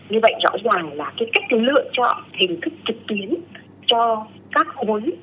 như vậy rõ ràng là cái cách lựa chọn hình thức trực tuyến cho các khối